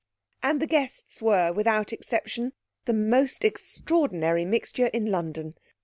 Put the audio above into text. And the guests were, without exception, the most extraordinary mixture in London.